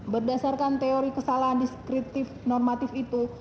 berdasarkan teori kesalahan deskriptif normatif itu